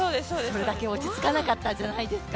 それだけ落ち着かなかったんじゃないですか。